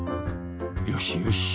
よしよし。